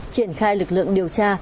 triển khai lực lượng điều tra